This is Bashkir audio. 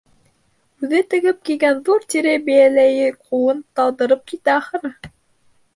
Үҙе тегеп кейгән ҙур тире бейәләйе ҡулын талдырып китә, ахыры.